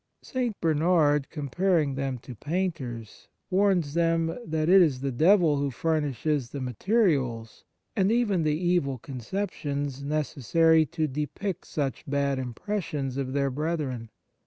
St. Bernard, comparing them to painters, warns them that it is the devil who furnishes the materials, and even the evil conceptions, necessary to depict such bad impressions of their brethren.